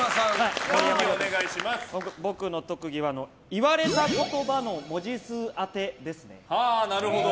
僕の特技は言われた言葉の文字数当てです。